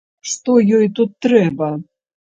Што ёй тут трэба?